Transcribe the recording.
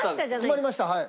決まりましたはい。